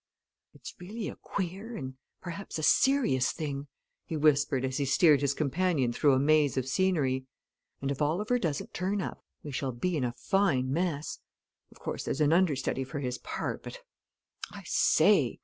"It's really a queer, and perhaps a serious thing," he whispered as he steered his companion through a maze of scenery. "And if Oliver doesn't turn up, we shall be in a fine mess. Of course, there's an understudy for his part, but I say!"